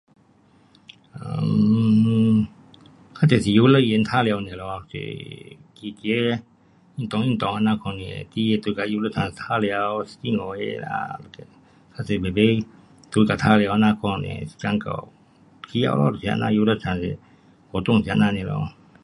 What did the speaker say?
um 较多是游乐园玩耍【而已】咯，去走走运动运动这样， [unintelligible] 孩儿去到游乐场玩耍，四五个啦，还是排排在那角玩耍这样款【而已】，时间到回家咯，就是这样，游乐场的活动就是这样【而已】咯